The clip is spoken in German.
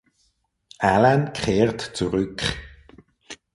Alan kehrt zurück.